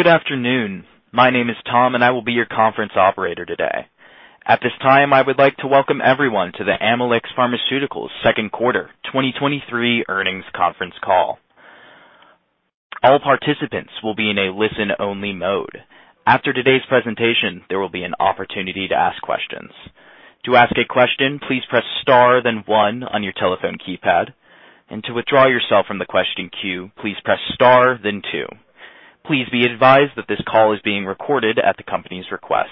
Good afternoon. My name is Tom, and I will be your conference operator today. At this time, I would like to welcome everyone to the Amylyx Pharmaceuticals second quarter 2023 earnings conference call. All participants will be in a listen-only mode. After today's presentation, there will be an opportunity to ask questions. To ask a question, please press star then one on your telephone keypad. To withdraw yourself from the question queue, please press star then two. Please be advised that this call is being recorded at the company's request.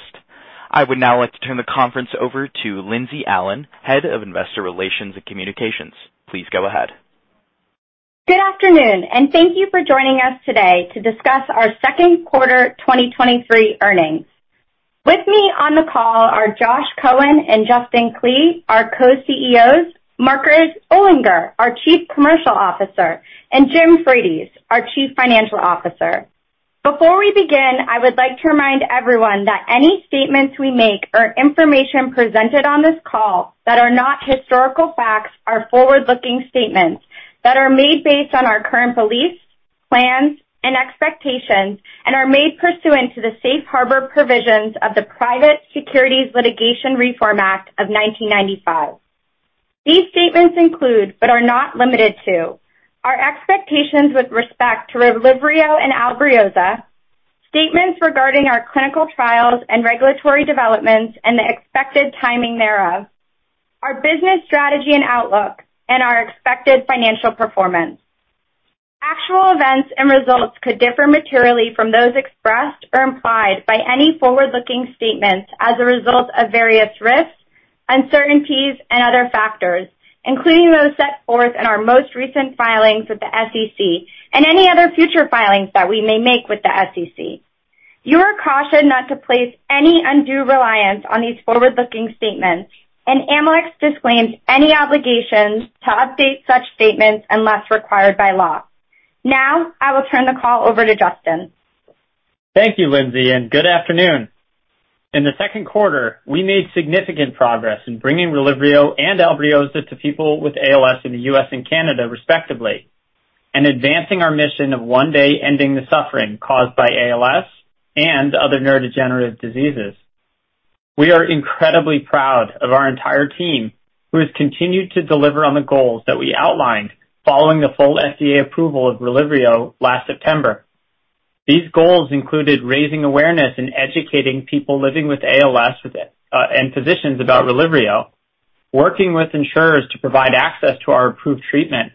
I would now like to turn the conference over to Lindsey Allen, Head of Investor Relations and Communications. Please go ahead. Good afternoon, and thank you for joining us today to discuss our second quarter 2023 earnings. With me on the call are Josh Cohen and Justin Klee, our co-CEOs, Margaret Olinger, our Chief Commercial Officer, and James Frates, our Chief Financial Officer. Before we begin, I would like to remind everyone that any statements we make or information presented on this call that are not historical facts are forward-looking statements that are made based on our current beliefs, plans, and expectations and are made pursuant to the Safe Harbor provisions of the Private Securities Litigation Reform Act of 1995. These statements include, but are not limited to, our expectations with respect to RELYVRIO and ALBRIOZA, statements regarding our clinical trials and regulatory developments and the expected timing thereof, our business strategy and outlook, and our expected financial performance. Actual events and results could differ materially from those expressed or implied by any forward-looking statements as a result of various risks, uncertainties, and other factors, including those set forth in our most recent filings with the SEC and any other future filings that we may make with the SEC. You are cautioned not to place any undue reliance on these forward-looking statements, and Amylyx disclaims any obligations to update such statements unless required by law. Now, I will turn the call over to Justin. Thank you, Lindsey, and good afternoon. In the second quarter, we made significant progress in bringing RELYVRIO and ALBRIOZA to people with ALS in the U.S. and Canada, respectively, and advancing our mission of one day ending the suffering caused by ALS and other neurodegenerative diseases. We are incredibly proud of our entire team, who has continued to deliver on the goals that we outlined following the full FDA approval of RELYVRIO last September. These goals included raising awareness and educating people living with ALS with it, and physicians about RELYVRIO, working with insurers to provide access to our approved treatment,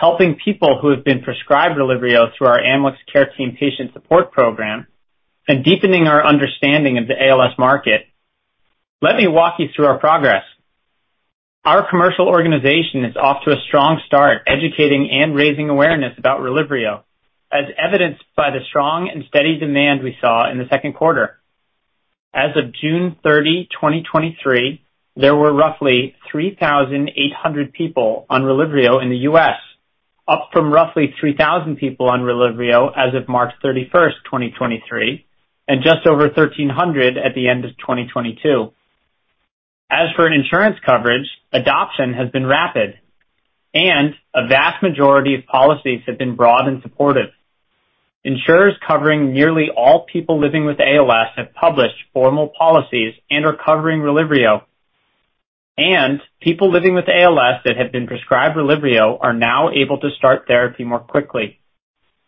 helping people who have been prescribed RELYVRIO through our Amylyx Care Team patient support program, and deepening our understanding of the ALS market. Let me walk you through our progress. Our commercial organization is off to a strong start educating and raising awareness about RELYVRIO, as evidenced by the strong and steady demand we saw in the second quarter. As of June 30, 2023, there were roughly 3,800 people on RELYVRIO in the U.S., up from roughly 3,000 people on RELYVRIO as of March 31st, 2023, and just over 1,300 at the end of 2022. As for insurance coverage, adoption has been rapid, and a vast majority of policies have been broad and supportive. Insurers covering nearly all people living with ALS have published formal policies and are covering RELYVRIO. People living with ALS that have been prescribed RELYVRIO are now able to start therapy more quickly.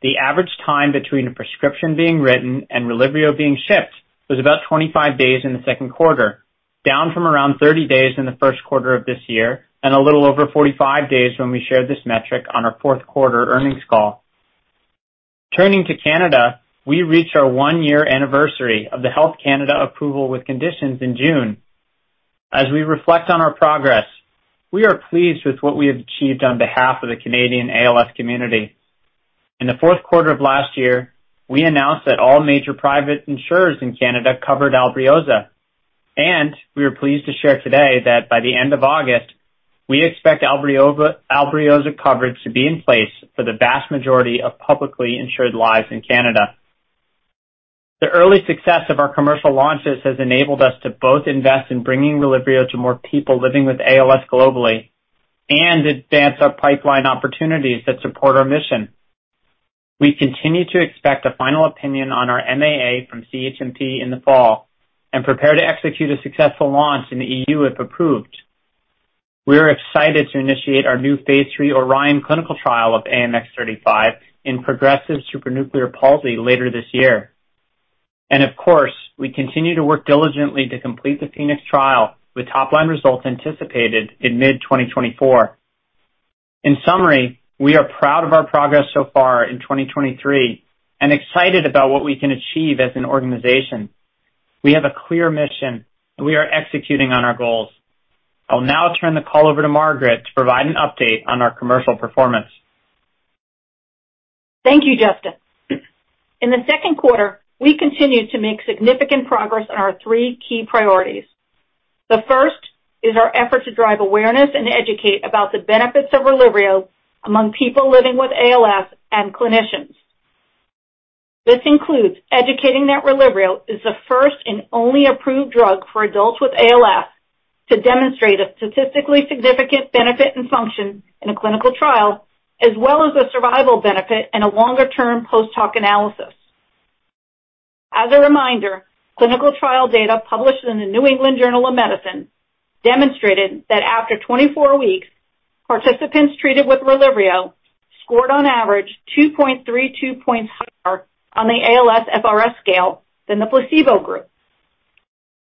The average time between a prescription being written and RELYVRIO being shipped was about 25 days in the second quarter, down from around 30 days in the first quarter of this year and a little over 45 days when we shared this metric on our fourth quarter earnings call. Turning to Canada, we reached our 1-year anniversary of the Health Canada approval with conditions in June. As we reflect on our progress, we are pleased with what we have achieved on behalf of the Canadian ALS community. In the fourth quarter of last year, we announced that all major private insurers in Canada covered ALBRIOZA, and we are pleased to share today that by the end of August, we expect ALBRIOZA coverage to be in place for the vast majority of publicly insured lives in Canada. The early success of our commercial launches has enabled us to both invest in bringing RELYVRIO to more people living with ALS globally and advance our pipeline opportunities that support our mission. We continue to expect a final opinion on our MAA from CHMP in the fall and prepare to execute a successful launch in the EU, if approved. We are excited to initiate our new phase 3 ORION clinical trial of AMX0035 in progressive supranuclear palsy later this year. Of course, we continue to work diligently to complete the PHOENIX trial with top-line results anticipated in mid-2024. In summary, we are proud of our progress so far in 2023 and excited about what we can achieve as an organization. We have a clear mission, and we are executing on our goals. I will now turn the call over to Margaret to provide an update on our commercial performance. Thank you, Justin. In the second quarter, we continued to make significant progress on our three key priorities. The first is our effort to drive awareness and educate about the benefits of RELYVRIO among people living with ALS and clinicians. This includes educating that RELYVRIO is the first and only approved drug for adults with ALS to demonstrate a statistically significant benefit and function in a clinical trial, as well as a survival benefit and a longer-term post-hoc analysis. As a reminder, clinical trial data published in the New England Journal of Medicine demonstrated that after 24 weeks, participants treated with RELYVRIO scored on average 2.32 points higher on the ALSFRS scale than the placebo group.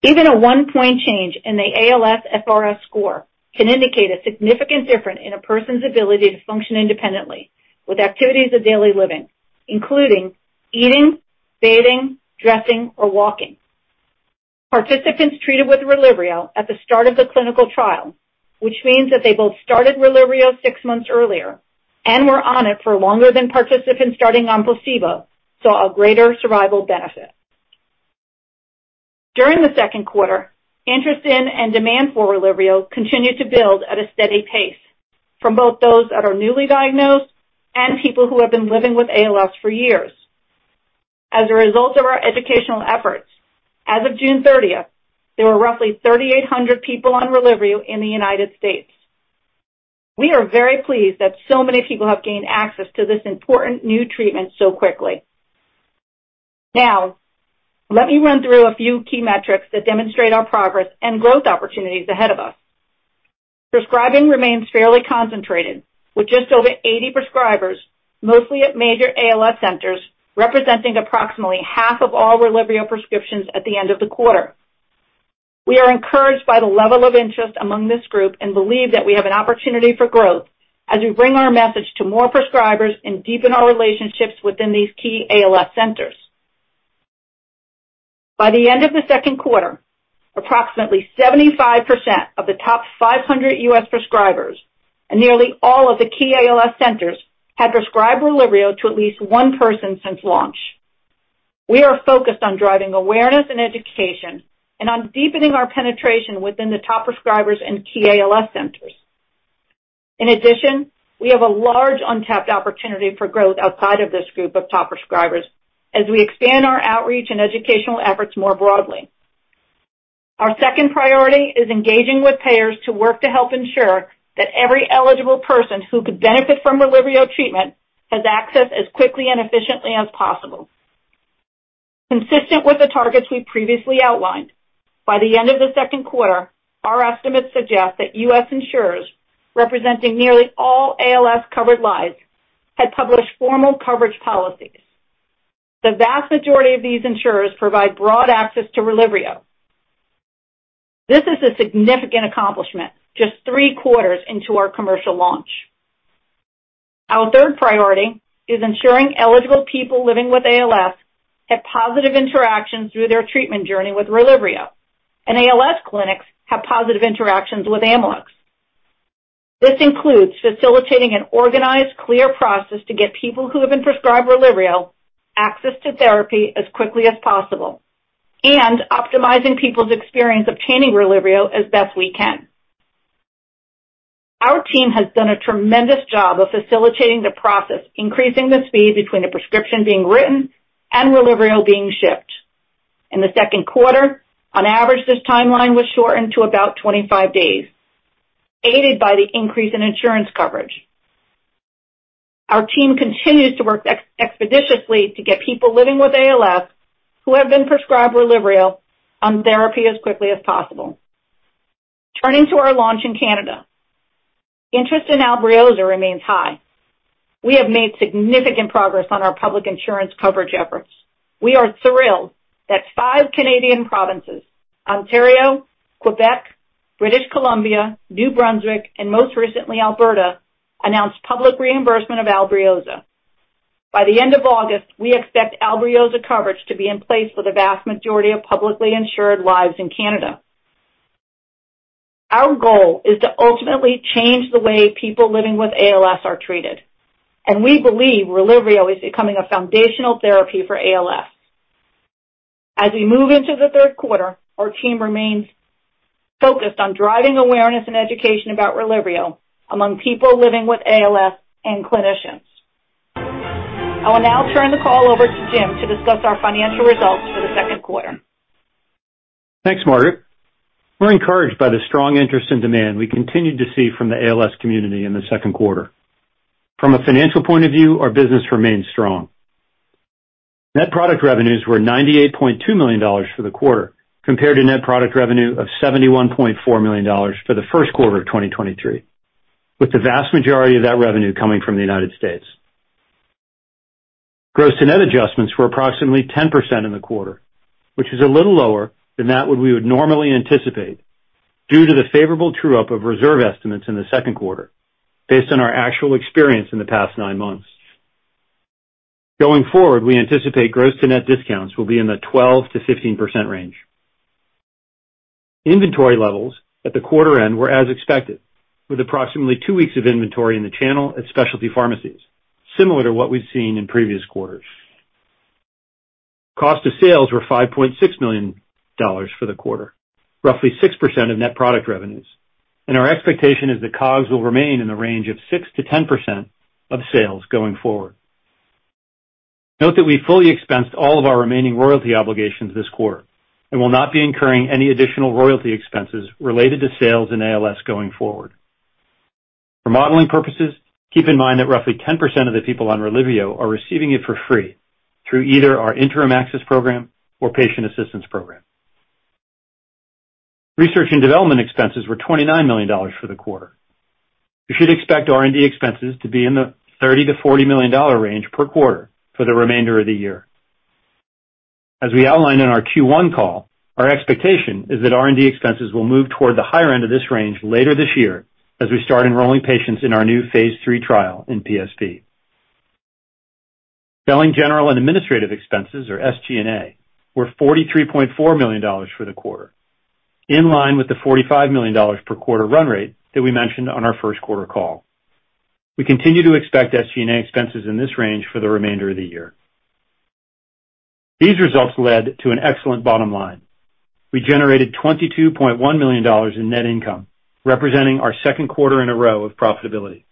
Even a one-point change in the ALSFRS score can indicate a significant difference in a person's ability to function independently with activities of daily living, including eating, bathing, dressing, or walking. Participants treated with RELYVRIO at the start of the clinical trial, which means that they both started RELYVRIO six months earlier and were on it for longer than participants starting on placebo, saw a greater survival benefit. During the second quarter, interest in and demand for RELYVRIO continued to build at a steady pace from both those that are newly diagnosed and people who have been living with ALS for years. As a result of our educational efforts, as of June 30, there were roughly 3,800 people on RELYVRIO in the United States. We are very pleased that so many people have gained access to this important new treatment so quickly. Now, let me run through a few key metrics that demonstrate our progress and growth opportunities ahead of us. Prescribing remains fairly concentrated, with just over 80 prescribers, mostly at major ALS centers, representing approximately half of all RELYVRIO prescriptions at the end of the quarter. We are encouraged by the level of interest among this group and believe that we have an opportunity for growth as we bring our message to more prescribers and deepen our relationships within these key ALS centers. By the end of the second quarter, approximately 75% of the top 500 U.S. prescribers and nearly all of the key ALS centers had prescribed RELYVRIO to at least one person since launch. We are focused on driving awareness and education and on deepening our penetration within the top prescribers and key ALS centers. In addition, we have a large untapped opportunity for growth outside of this group of top prescribers as we expand our outreach and educational efforts more broadly. Our second priority is engaging with payers to work to help ensure that every eligible person who could benefit from RELYVRIO treatment has access as quickly and efficiently as possible. Consistent with the targets we previously outlined, by the end of the second quarter, our estimates suggest that U.S. insurers representing nearly all ALS-covered lives had published formal coverage policies. The vast majority of these insurers provide broad access to RELYVRIO. This is a significant accomplishment just three quarters into our commercial launch. Our third priority is ensuring eligible people living with ALS have positive interactions through their treatment journey with RELYVRIO, and ALS clinics have positive interactions with Amylyx. This includes facilitating an organized, clear process to get people who have been prescribed RELYVRIO access to therapy as quickly as possible and optimizing people's experience obtaining RELYVRIO as best we can. Our team has done a tremendous job of facilitating the process, increasing the speed between the prescription being written and RELYVRIO being shipped. In the second quarter, on average, this timeline was shortened to about 25 days, aided by the increase in insurance coverage. Our team continues to work expeditiously to get people living with ALS who have been prescribed RELYVRIO on therapy as quickly as possible. Turning to our launch in Canada. Interest in ALBRIOZA remains high. We have made significant progress on our public insurance coverage efforts. We are thrilled that five Canadian provinces, Ontario, Quebec, British Columbia, New Brunswick, and most recently Alberta, announced public reimbursement of ALBRIOZA. By the end of August, we expect ALBRIOZA coverage to be in place for the vast majority of publicly insured lives in Canada. Our goal is to ultimately change the way people living with ALS are treated, and we believe RELYVRIO is becoming a foundational therapy for ALS. As we move into the third quarter, our team remains focused on driving awareness and education about RELYVRIO among people living with ALS and clinicians. I will now turn the call over to Jim to discuss our financial results for the second quarter. Thanks, Margaret. We're encouraged by the strong interest and demand we continued to see from the ALS community in the second quarter. From a financial point of view, our business remains strong. Net product revenues were $98.2 million for the quarter compared to net product revenue of $71.4 million for the first quarter of 2023, with the vast majority of that revenue coming from the United States. Gross to net adjustments were approximately 10% in the quarter, which is a little lower than what we would normally anticipate due to the favorable true up of reserve estimates in the second quarter based on our actual experience in the past nine months. Going forward, we anticipate gross to net discounts will be in the 12%-15% range. Inventory levels at the quarter end were as expected, with approximately two weeks of inventory in the channel at specialty pharmacies, similar to what we've seen in previous quarters. Cost of sales were $5.6 million for the quarter, roughly 6% of net product revenues. Our expectation is that COGS will remain in the range of 6%-10% of sales going forward. Note that we fully expensed all of our remaining royalty obligations this quarter and will not be incurring any additional royalty expenses related to sales in ALS going forward. For modeling purposes, keep in mind that roughly 10% of the people on RELYVRIO are receiving it for free through either our interim access program or patient assistance program. Research and development expenses were $29 million for the quarter. You should expect R&D expenses to be in the $30-$40 million range per quarter for the remainder of the year. As we outlined in our Q1 call, our expectation is that R&D expenses will move toward the higher end of this range later this year as we start enrolling patients in our new phase 3 trial in PSP. Selling, general, and administrative expenses, or SG&A, were $43.4 million for the quarter, in line with the $45 million per quarter run rate that we mentioned on our first quarter call. We continue to expect SG&A expenses in this range for the remainder of the year. These results led to an excellent bottom line. We generated $22.1 million in net income, representing our second quarter in a row of profitability.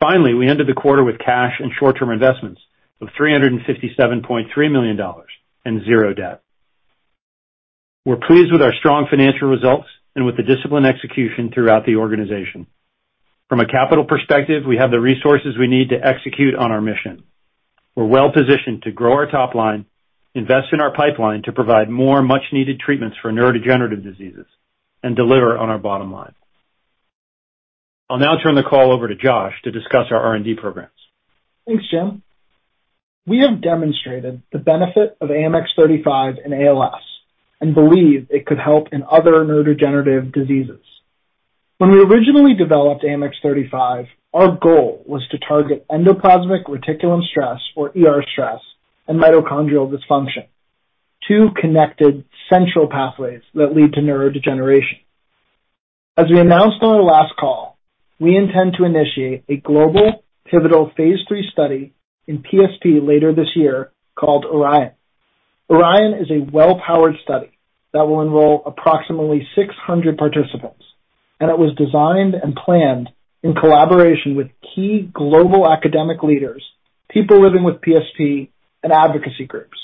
Finally, we ended the quarter with cash and short-term investments of $357.3 million and zero debt. We're pleased with our strong financial results and with the disciplined execution throughout the organization. From a capital perspective, we have the resources we need to execute on our mission. We're well positioned to grow our top line, invest in our pipeline to provide more much-needed treatments for neurodegenerative diseases, and deliver on our bottom line. I'll now turn the call over to Josh to discuss our R&D programs. Thanks, Jim. We have demonstrated the benefit of AMX0035 in ALS and believe it could help in other neurodegenerative diseases. When we originally developed AMX0035, our goal was to target endoplasmic reticulum stress, or ER stress, and mitochondrial dysfunction, two connected central pathways that lead to neurodegeneration. As we announced on our last call, we intend to initiate a global pivotal phase 3 study in PSP later this year called ORION. ORION is a well-powered study that will enroll approximately 600 participants, and it was designed and planned in collaboration with key global academic leaders, people living with PSP, and advocacy groups.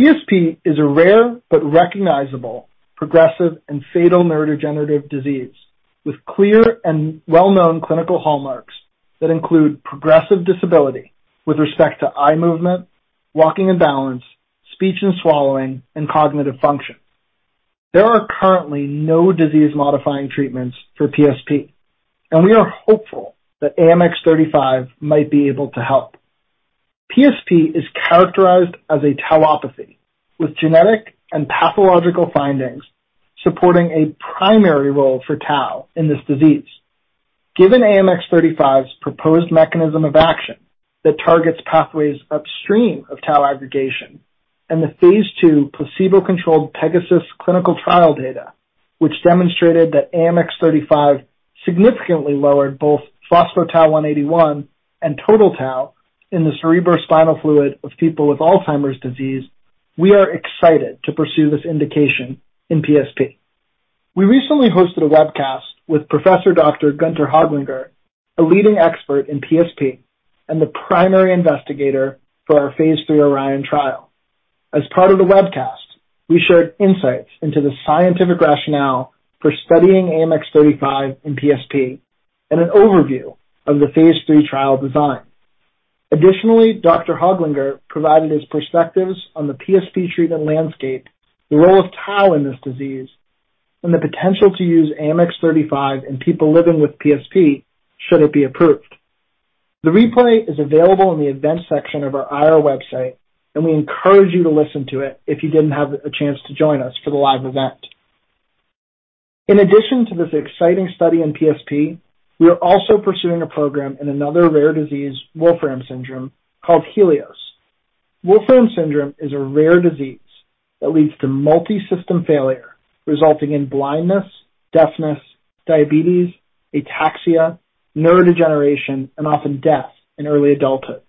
PSP is a rare but recognizable progressive and fatal neurodegenerative disease with clear and well-known clinical hallmarks that include progressive disability with respect to eye movement, walking and balance, speech and swallowing, and cognitive function. There are currently no disease-modifying treatments for PSP, and we are hopeful that AMX0035 might be able to help. PSP is characterized as a tauopathy, with genetic and pathological findings supporting a primary role for tau in this disease. Given AMX0035's proposed mechanism of action that targets pathways upstream of tau aggregation and the phase 2 placebo-controlled PEGASUS clinical trial data, which demonstrated that AMX0035 significantly lowered both phospho-tau-181 and total tau in the cerebrospinal fluid of people with Alzheimer's disease, we are excited to pursue this indication in PSP. We recently hosted a webcast with Professor Dr. Günter Höglinger, a leading expert in PSP and the principal investigator for our phase 3 ORION trial. As part of the webcast, we shared insights into the scientific rationale for studying AMX0035 in PSP and an overview of the phase 3 trial design. Additionally, Dr. Höglinger provided his perspectives on the PSP treatment landscape, the role of tau in this disease, and the potential to use AMX0035 in people living with PSP should it be approved. The replay is available in the events section of our IR website, and we encourage you to listen to it if you didn't have a chance to join us for the live event. In addition to this exciting study in PSP, we are also pursuing a program in another rare disease, Wolfram syndrome, called HELIOS. Wolfram syndrome is a rare disease that leads to multi-system failure, resulting in blindness, deafness, diabetes, ataxia, neurodegeneration, and often death in early adulthood.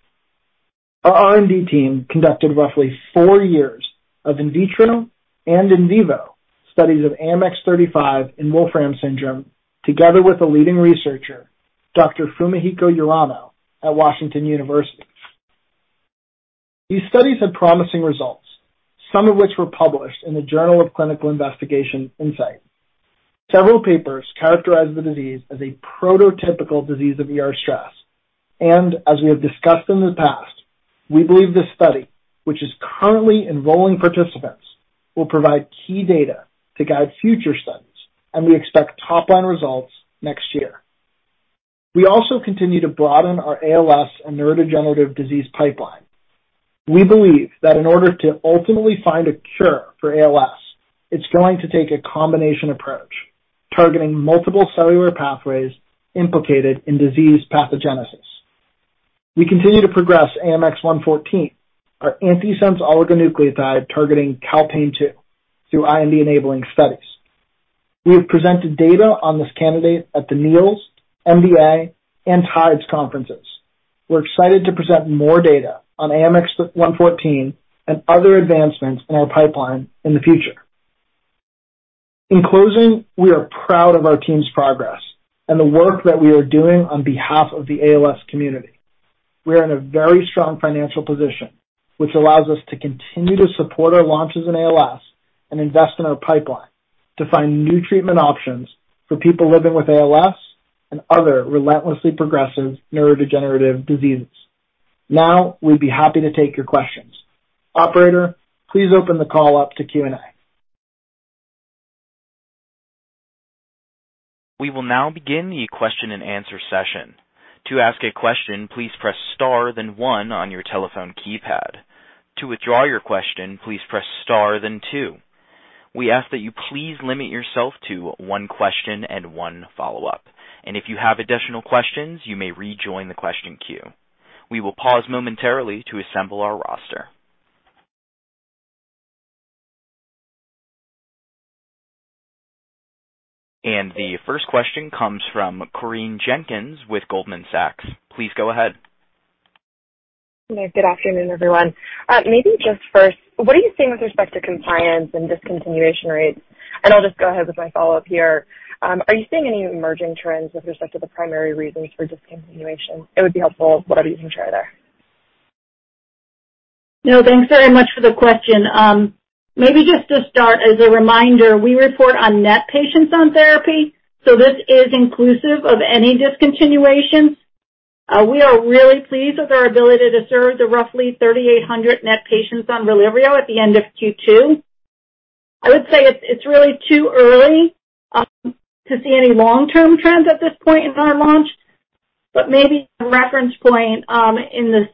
Our R&D team conducted roughly four years of in vitro and in vivo studies of AMX0035 in Wolfram syndrome, together with a leading researcher, Dr. Fumihiko Urano at Washington University. These studies had promising results, some of which were published in JCI Insight. Several papers characterized the disease as a prototypical disease of ER stress. As we have discussed in the past, we believe this study, which is currently enrolling participants, will provide key data to guide future studies, and we expect top line results next year. We also continue to broaden our ALS and neurodegenerative disease pipeline. We believe that in order to ultimately find a cure for ALS, it's going to take a combination approach targeting multiple cellular pathways implicated in disease pathogenesis. We continue to progress AMX0114, our antisense oligonucleotide targeting calpain-2, through IND-enabling studies. We have presented data on this candidate at the NEALS, MDA, and TIDES conferences. We're excited to present more data on AMX0114 and other advancements in our pipeline in the future. In closing, we are proud of our team's progress and the work that we are doing on behalf of the ALS community. We are in a very strong financial position, which allows us to continue to support our launches in ALS and invest in our pipeline to find new treatment options for people living with ALS and other relentlessly progressive neurodegenerative diseases. Now, we'd be happy to take your questions. Operator, please open the call up to Q&A. We will now begin the question-and-answer session. To ask a question, please press star then one on your telephone keypad. To withdraw your question, please press star then two. We ask that you please limit yourself to one question and one follow-up. If you have additional questions, you may rejoin the question queue. We will pause momentarily to assemble our roster. The first question comes from Corinne Jenkins with Goldman Sachs. Please go ahead. Good afternoon, everyone. Maybe just first, what are you seeing with respect to compliance and discontinuation rates? I'll just go ahead with my follow-up here. Are you seeing any emerging trends with respect to the primary reasons for discontinuation? It would be helpful, whatever you can share there. No, thanks very much for the question. Maybe just to start, as a reminder, we report on net patients on therapy, so this is inclusive of any discontinuation. We are really pleased with our ability to serve the roughly 3,800 net patients on RELYVRIO at the end of Q2. I would say it's really too early to see any long-term trends at this point in our launch, but maybe a reference point in the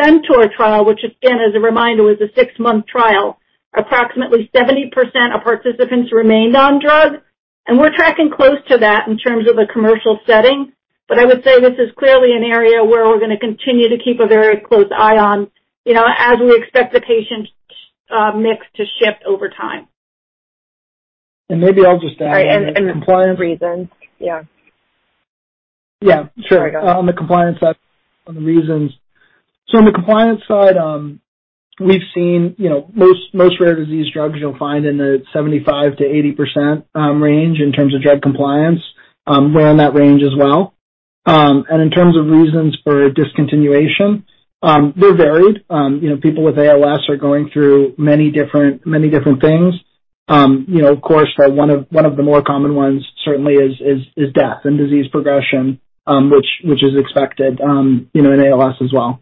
CENTAUR trial, which again, as a reminder, was a six-month trial. Approximately 70% of participants remained on drug, and we're tracking close to that in terms of a commercial setting. I would say this is clearly an area where we're gonna continue to keep a very close eye on, you know, as we expect the patient mix to shift over time. Maybe I'll just add. Sorry, and reasons. Yeah. Yeah, sure. Sorry, go ahead. On the compliance side, on the reasons. On the compliance side, we've seen, you know, most rare disease drugs you'll find in the 75%-80% range in terms of drug compliance. We're in that range as well. In terms of reasons for discontinuation, they're varied. You know, people with ALS are going through many different things. You know, of course, one of the more common ones certainly is death and disease progression, which is expected, you know, in ALS as well.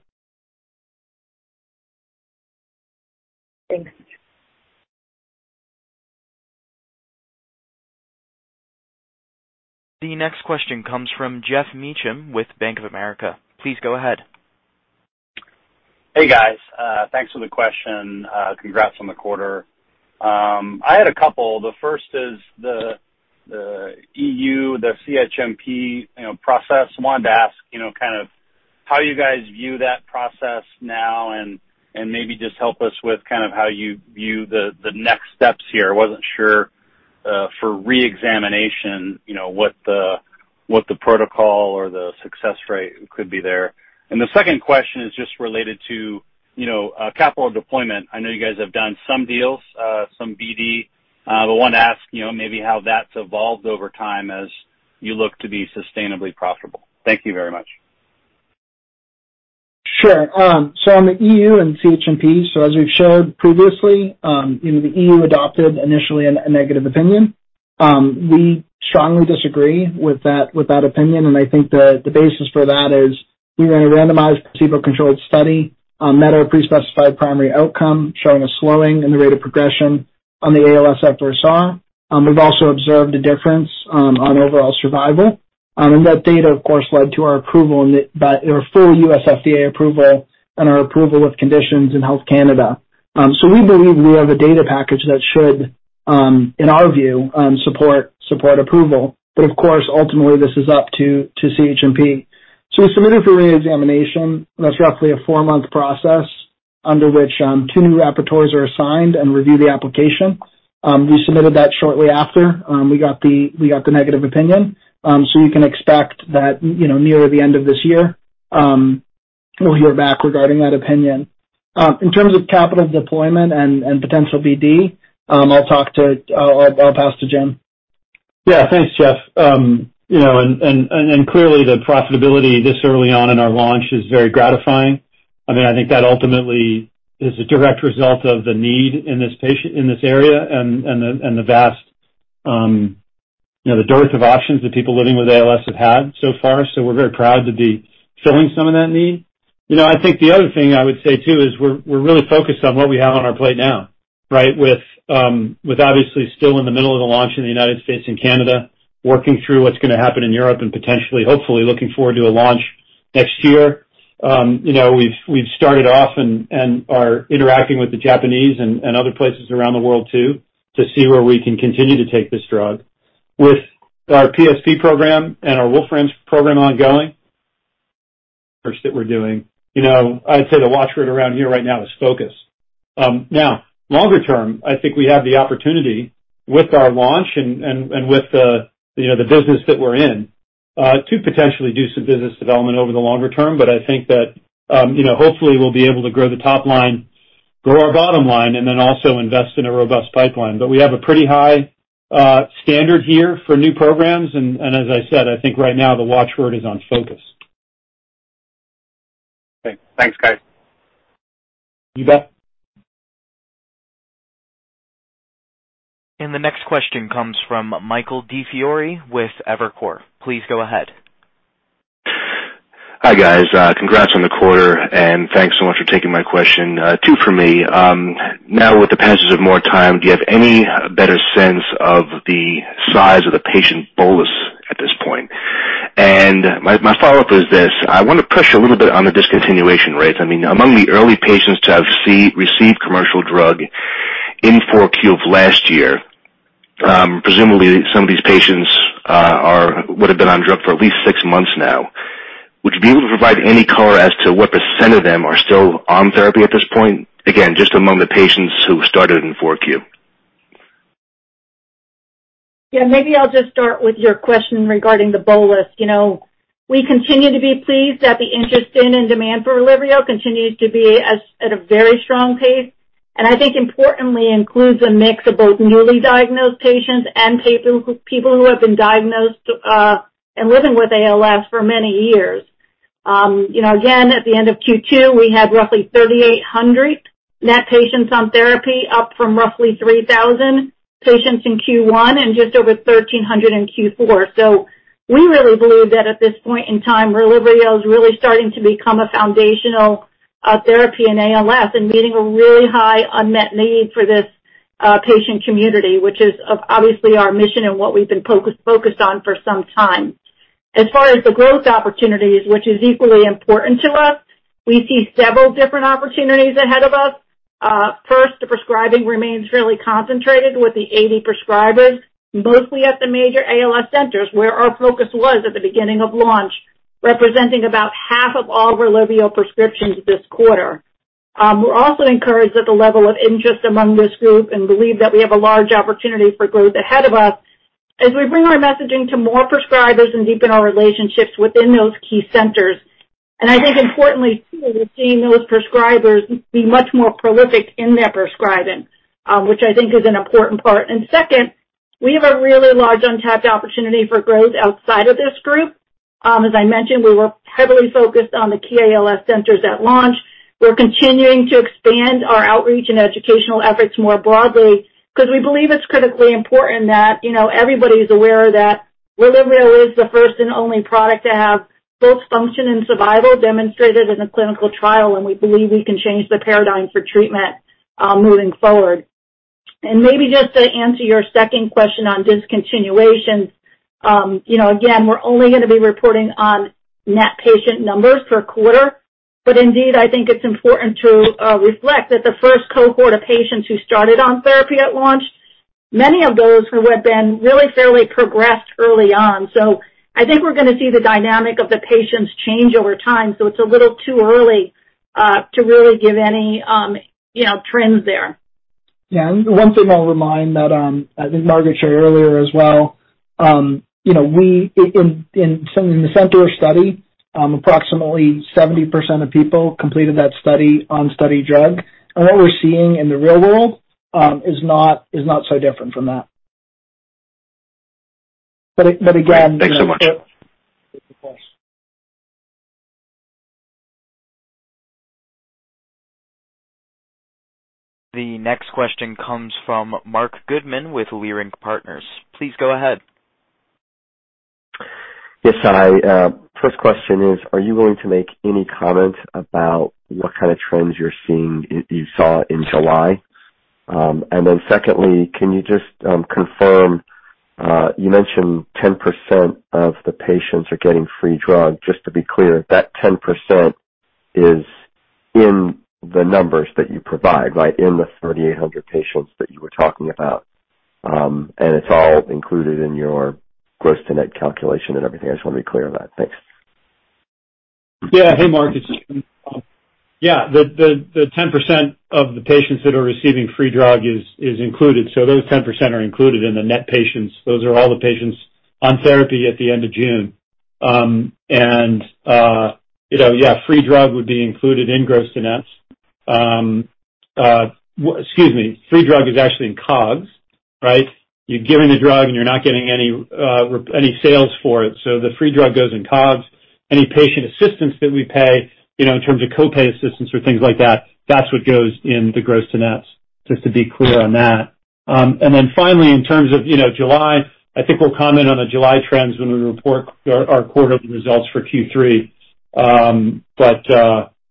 Thanks. The next question comes from Geoff Meacham with Bank of America. Please go ahead. Hey, guys. Thanks for the question. Congrats on the quarter. I had a couple. The first is the EU, the CHMP, you know, process. Wanted to ask, you know, kind of how you guys view that process now and maybe just help us with kind of how you view the next steps here. I wasn't sure for reexamination, you know, what the protocol or the success rate could be there. The second question is just related to, you know, capital deployment. I know you guys have done some deals, some BD, but want to ask, you know, maybe how that's evolved over time as you look to be sustainably profitable. Thank you very much. Sure. On the EU and CHMP, as we've showed previously, you know, the EU adopted initially a negative opinion. We strongly disagree with that opinion, and I think the basis for that is we ran a randomized placebo-controlled study, met our pre-specified primary outcome, showing a slowing in the rate of progression on the ALSFRS-R. We've also observed a difference on overall survival. And that data, of course, led to our approval by our full US FDA approval and our approval of conditions in Health Canada. We believe we have a data package that should, in our view, support approval. Of course, ultimately this is up to CHMP. We submitted for reexamination. That's roughly a four-month process under which two new rapporteurs are assigned and review the application. We submitted that shortly after we got the negative opinion. You can expect that, you know, near the end of this year, we'll hear back regarding that opinion. In terms of capital deployment and potential BD, I'll pass to Jim. Yeah. Thanks, Jeff. You know, clearly the profitability this early on in our launch is very gratifying. I mean, I think that ultimately is a direct result of the need in this patient in this area and the vast, you know, the dearth of options that people living with ALS have had so far. We're very proud to be filling some of that need. You know, I think the other thing I would say too is we're really focused on what we have on our plate now, right? With obviously still in the middle of the launch in the United States and Canada, working through what's gonna happen in Europe and potentially, hopefully looking forward to a launch next year. You know, we've started off and are interacting with the Japanese and other places around the world too to see where we can continue to take this drug. With our PSP program and our Wolfram program ongoing that we're doing, you know, I'd say the watch word around here right now is focus. Now longer term, I think we have the opportunity with our launch and with the, you know, the business that we're i To potentially do some business development over the longer term. I think that, you know, hopefully we'll be able to grow the top line, grow our bottom line, and then also invest in a robust pipeline. We have a pretty high standard here for new programs. As I said, I think right now the watchword is on focus. Okay. Thanks, guys. You bet. The next question comes from Michael DiFiore with Evercore. Please go ahead. Hi, guys. Congrats on the quarter, and thanks so much for taking my question. Two for me. Now, with the passage of more time, do you have any better sense of the size of the patient bolus at this point? My follow-up is this. I wanna press you a little bit on the discontinuation rates. I mean, among the early patients to have received commercial drug in 4Q of last year, presumably some of these patients would've been on drug for at least six months now. Would you be able to provide any color as to what % of them are still on therapy at this point? Again, just among the patients who started in 4Q. Yeah, maybe I'll just start with your question regarding the bolus. You know, we continue to be pleased at the interest in and demand for RELYVRIO continues to be at a very strong pace, and I think importantly includes a mix of both newly diagnosed patients and people who have been diagnosed and living with ALS for many years. You know, again, at the end of Q2, we had roughly 3,800 net patients on therapy, up from roughly 3,000 patients in Q1, and just over 1,300 in Q4. So we really believe that at this point in time, RELYVRIO is really starting to become a foundational therapy in ALS and meeting a really high unmet need for this patient community, which is obviously our mission and what we've been focused on for some time. As far as the growth opportunities, which is equally important to us, we see several different opportunities ahead of us. First, the prescribing remains fairly concentrated with the 80 prescribers, mostly at the major ALS centers where our focus was at the beginning of launch, representing about half of all RELYVRIO prescriptions this quarter. We're also encouraged at the level of interest among this group and believe that we have a large opportunity for growth ahead of us as we bring our messaging to more prescribers and deepen our relationships within those key centers. I think importantly too, we're seeing those prescribers be much more prolific in their prescribing, which I think is an important part. Second, we have a really large untapped opportunity for growth outside of this group. As I mentioned, we were heavily focused on the key ALS centers at launch. We're continuing to expand our outreach and educational efforts more broadly 'cause we believe it's critically important that, you know, everybody's aware that RELYVRIO is the first and only product to have both function and survival demonstrated in a clinical trial, and we believe we can change the paradigm for treatment, moving forward. Maybe just to answer your second question on discontinuations, you know, again, we're only gonna be reporting on net patient numbers per quarter. Indeed, I think it's important to reflect that the first cohort of patients who started on therapy at launch, many of those who had been really fairly progressed early on. I think we're gonna see the dynamic of the patients change over time, so it's a little too early to really give any, you know, trends there. Yeah. One thing I'll remind that I think Margaret shared earlier as well, you know, in the CENTAUR study, approximately 70% of people completed that study on study drug. What we're seeing in the real world is not so different from that. Again Thanks so much. Yes. The next question comes from Marc Goodman with Leerink Partners. Please go ahead. Yes. Hi. First question is, are you going to make any comment about what kind of trends you're seeing, you saw in July? Secondly, can you just confirm, you mentioned 10% of the patients are getting free drug. Just to be clear, that 10% is in the numbers that you provide, right? In the 3,800 patients that you were talking about, and it's all included in your gross to net calculation and everything. I just wanna be clear on that. Thanks. Yeah. Hey, Mark, it's Jim. Yeah, the 10% of the patients that are receiving free drug is included. So those 10% are included in the net patients. Those are all the patients on therapy at the end of June. You know, yeah, free drug would be included in gross to nets. Excuse me. Free drug is actually in COGS, right? You're giving the drug and you're not getting any sales for it, so the free drug goes in COGS. Any patient assistance that we pay, you know, in terms of co-pay assistance or things like that's what goes in the gross to nets, just to be clear on that. Finally, in terms of, you know, July, I think we'll comment on the July trends when we report our quarterly results for Q3.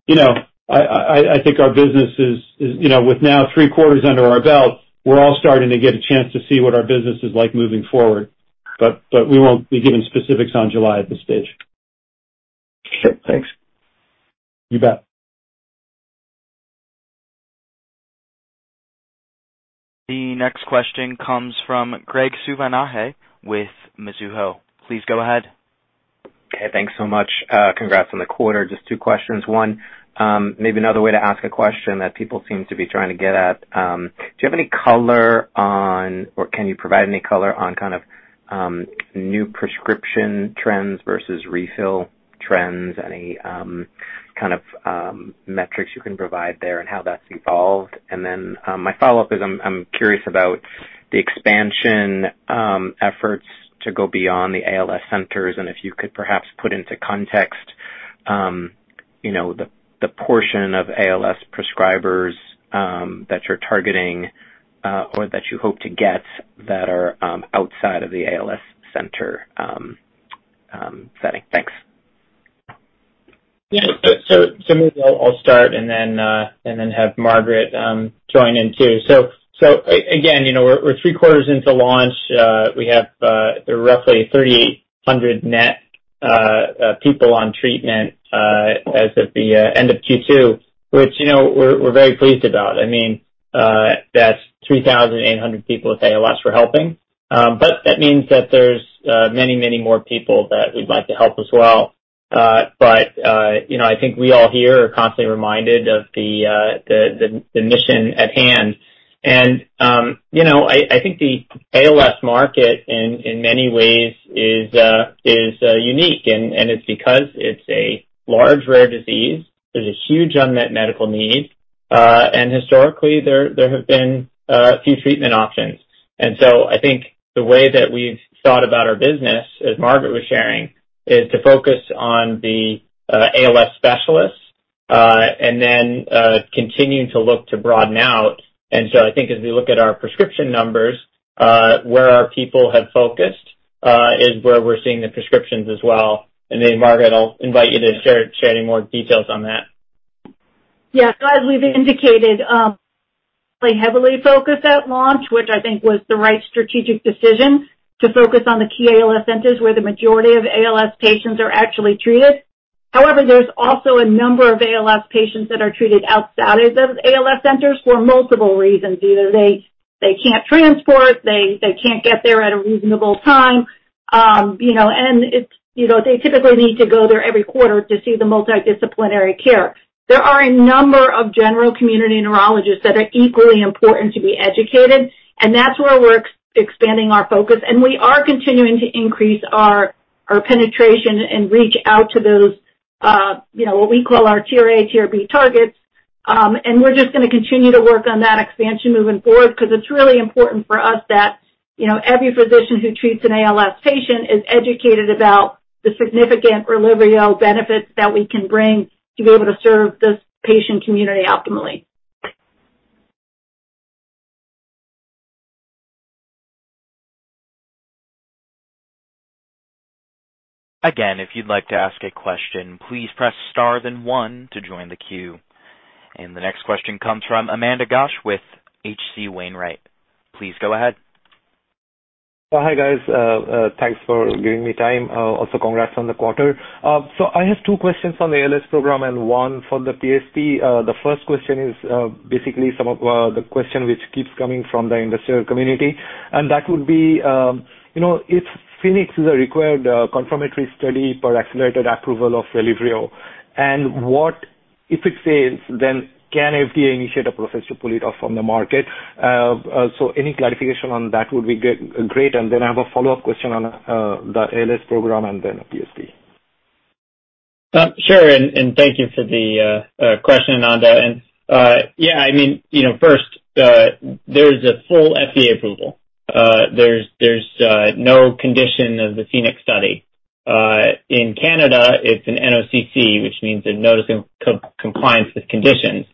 You know, I think our business is, you know, with now three quarters under our belt, we're all starting to get a chance to see what our business is like moving forward. We won't be giving specifics on July at this stage. Sure. Thanks. You bet. The next question comes from Graig Suvannavejh with Mizuho. Please go ahead. Okay, thanks so much. Congrats on the quarter. Just two questions. One, maybe another way to ask a question that people seem to be trying to get at. Do you have any color on or can you provide any color on kind of new prescription trends versus refill trends? Any kind of metrics you can provide there and how that's evolved? My follow-up is I'm curious about the expansion efforts to go beyond the ALS centers and if you could perhaps put into context, you know, the portion of ALS prescribers that you're targeting or that you hope to get that are outside of the ALS center setting. Thanks. Yeah. So maybe I'll start and then have Margaret join in too. So again, you know, we're three quarters into launch. We have roughly 300 net people on treatment as of the end of Q2, which, you know, we're very pleased about. I mean, that's 3,800 people with ALS we're helping. That means that there's many more people that we'd like to help as well. You know, I think we all here are constantly reminded of the mission at hand. You know, I think the ALS market in many ways is unique and it's because it's a large, rare disease. There's a huge unmet medical need. Historically there have been few treatment options. I think the way that we've thought about our business, as Margaret was sharing, is to focus on the ALS specialists and then continuing to look to broaden out. I think as we look at our prescription numbers, where our people have focused, is where we're seeing the prescriptions as well. Margaret, I'll invite you to share any more details on that. Yeah. As we've indicated, we heavily focused at launch, which I think was the right strategic decision to focus on the key ALS centers where the majority of ALS patients are actually treated. However, there's also a number of ALS patients that are treated outside of those ALS centers for multiple reasons. Either they can't transport, they can't get there at a reasonable time, you know, and it's, you know, they typically need to go there every quarter to see the multidisciplinary care. There are a number of general community neurologists that are equally important to be educated, and that's where we're expanding our focus. We are continuing to increase our penetration and reach out to those, you know, what we call our tier A, tier B targets. We're just gonna continue to work on that expansion moving forward because it's really important for us that, you know, every physician who treats an ALS patient is educated about the significant RELYVRIO benefits that we can bring to be able to serve this patient community optimally. Again, if you'd like to ask a question, please press Star then one to join the queue. The next question comes from Ananda Ghosh with H.C. Wainwright & Co. Please go ahead. Hi, guys. Thanks for giving me time. Also congrats on the quarter. I have two questions on the ALS program and one for the PSP. The first question is basically one of the questions which keeps coming from the investor community, and that would be, you know, if PHOENIX is a required confirmatory study for accelerated approval of RELYVRIO, and what if it fails, then can FDA initiate a process to pull it off the market? Any clarification on that would be great. I have a follow-up question on the ALS program and then PSP. Sure. Thank you for the question, Ananda. Yeah, I mean, you know, first, there's a full FDA approval. There's no condition of the PHOENIX study. In Canada, it's an NOC/c, which means a notice of compliance with conditions.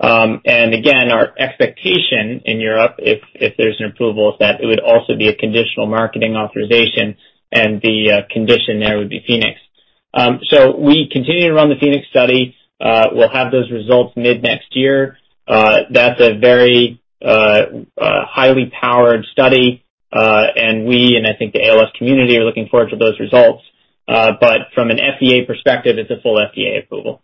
Again, our expectation in Europe, if there's an approval, is that it would also be a conditional marketing authorization and the condition there would be PHOENIX. We continue to run the PHOENIX study. We'll have those results mid-next year. That's a very highly powered study. We and I think the ALS community are looking forward to those results. From an FDA perspective, it's a full FDA approval.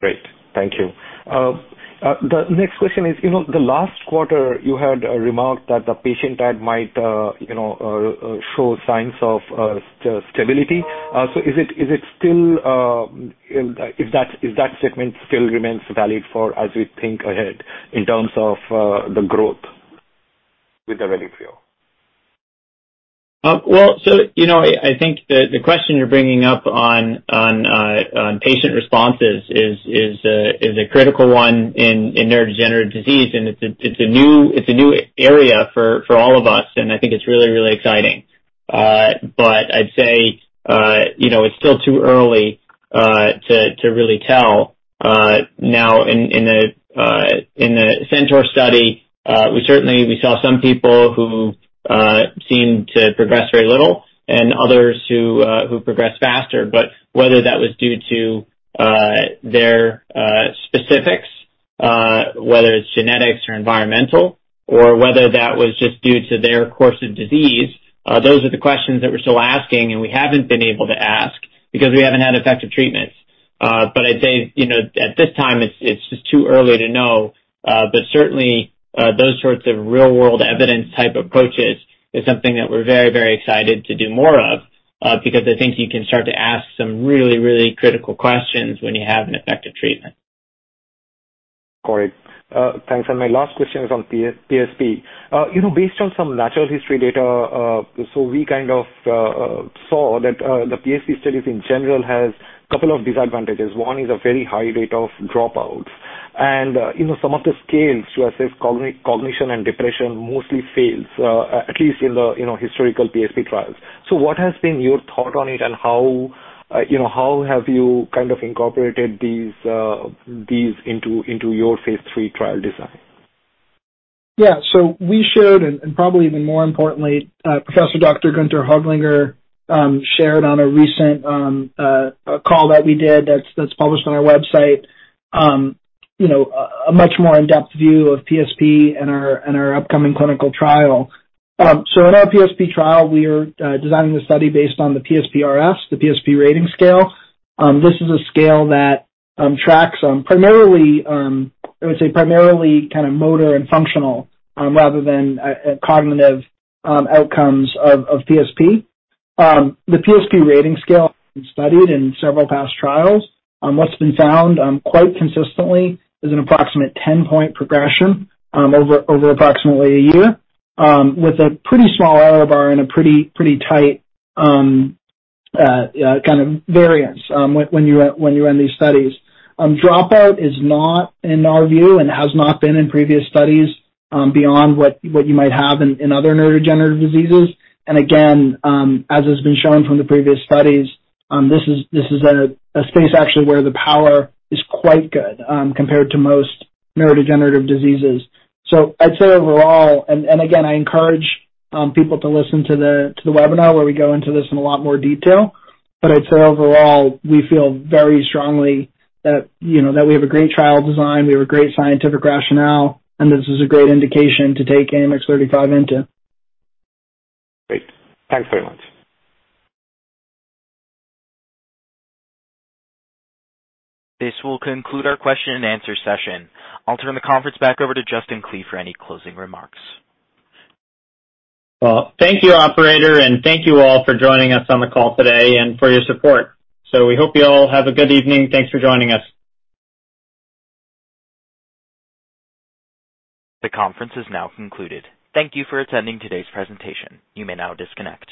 Great. Thank you. The next question is, you know, the last quarter you had a remark that the patient add might show signs of stability. Is that statement still remains valid as we think ahead in terms of the growth with RELYVRIO? Well, so you know, I think the question you're bringing up on patient responses is a critical one in neurodegenerative disease, and it's a new area for all of us, and I think it's really exciting. I'd say, you know, it's still too early to really tell. Now, in the CENTAUR study, we certainly saw some people who seemed to progress very little and others who progressed faster. Whether that was due to their specifics, whether it's genetics or environmental, or whether that was just due to their course of disease, those are the questions that we're still asking, and we haven't been able to ask because we haven't had effective treatments. I'd say, you know, at this time, it's just too early to know. Certainly, those sorts of real world evidence type approaches is something that we're very, very excited to do more of, because I think you can start to ask some really, really critical questions when you have an effective treatment. Got it. Thanks. My last question is on PSP. You know, based on some natural history data, we kind of saw that the PSP studies in general has couple of disadvantages. One is a very high rate of dropouts. You know, some of the scales to assess cognition and depression mostly fails, at least in the historical PSP trials. What has been your thought on it and how have you kind of incorporated these into your phase 3 trial design? Yeah. We shared, and probably even more importantly, Professor Dr. Günter Höglinger shared on a recent call that we did that's published on our website. You know, a much more in-depth view of PSP and our upcoming clinical trial. In our PSP trial, we are designing the study based on the PSPRS, the PSP rating scale. This is a scale that tracks primarily, I would say primarily kind of motor and functional rather than cognitive outcomes of PSP. The PSP rating scale studied in several past trials. What's been found quite consistently is an approximate 10-point progression over approximately a year with a pretty small error bar and a pretty tight kind of variance when you run these studies. Dropout is not in our view and has not been in previous studies beyond what you might have in other neurodegenerative diseases. Again, as has been shown from the previous studies, this is a space actually where the power is quite good compared to most neurodegenerative diseases. I'd say overall, again I encourage people to listen to the webinar where we go into this in a lot more detail. I'd say overall, we feel very strongly that, you know, that we have a great trial design, we have a great scientific rationale, and this is a great indication to take AMX0035 into. Great. Thanks very much. This will conclude our question and answer session. I'll turn the conference back over to Justin Klee for any closing remarks. Well, thank you, operator, and thank you all for joining us on the call today and for your support. We hope you all have a good evening. Thanks for joining us. The conference is now concluded. Thank you for attending today's presentation. You may now disconnect.